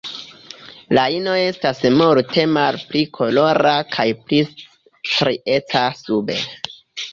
La ino estas multe malpli kolora kaj pli strieca sube.